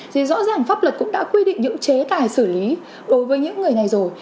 rõ ràng pháp luật cũng đã quy định dự chế tài xử lý đối với những người này rồi